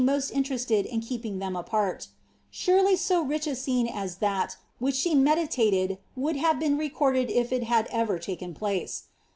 st interested in keeping them apart Surely so rich a scene as that which she meditated would have been recorded if it had ever taken place.